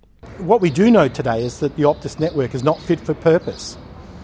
apa yang kita tahu hari ini adalah bahwa jaringan optus tidak berpengaruh